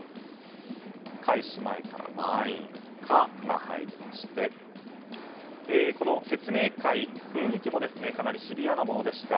開始前から満員の「カ」が入りましてこの説明会、雰囲気もかなりシビアなものでした。